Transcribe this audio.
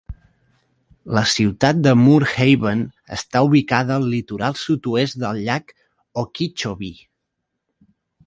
La ciutat de Moore Haven està ubicada al litoral sud-oest del llac Okeechobee.